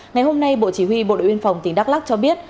ngày hôm nay bộ chỉ huy bộ đội biên phòng tỉnh đắk lắc cho biết